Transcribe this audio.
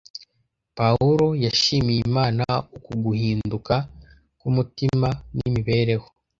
Pawulo yashimiye Imana uku guhinduka k’umutima n’imibereho.